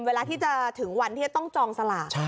เวลาที่จะถึงวันที่จะต้องจองสลาก